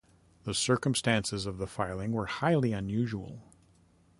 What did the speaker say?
The circumstances of the filing were highly unusual.